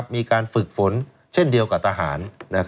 มีการฝึกฝนเช่นเดียวกับทหาร